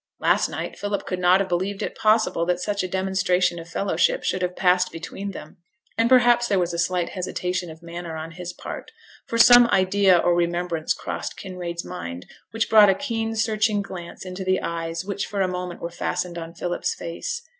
Last night Philip could not have believed it possible that such a demonstration of fellowship should have passed between them; and perhaps there was a slight hesitation of manner on his part, for some idea or remembrance crossed Kinraid's mind which brought a keen searching glance into the eyes which for a moment were fastened on Philip's face.